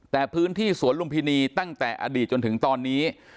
แต่พื้นที่สวนลุมพินีตั้งแต่อดีตจนถึงตอนนี้